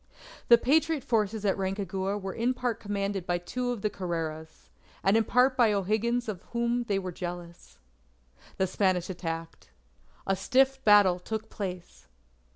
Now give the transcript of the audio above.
The Patriot forces at Rancagua were in part commanded by two of the Carreras, and in part by O'Higgins of whom they were jealous. The Spanish attacked. A stiff battle took place.